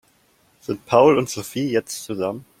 Sind Paul und Sophie jetzt zusammen?